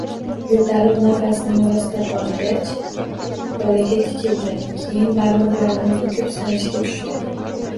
Yoʻtalib, nafasini rostlab olgach bolaga tikildi, keyin barmoqlarini bukib sanashga tushdi.